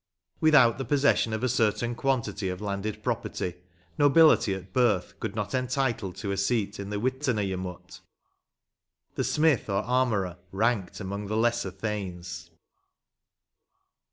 Without the possession of a certain quantity of landed property, nobility of birth could not entitle to a seat in the Witena gemot. The smith or armourer ranked among the lesser thanes.